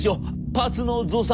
パーツの増産？